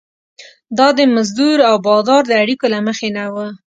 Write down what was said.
دا د مزدور او بادار د اړیکو له مخې نه وه.